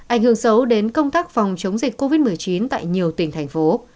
ảnh hưởng xấu đến công tác phòng chống dịch covid một mươi chín tại nhiều tỉnh thành phố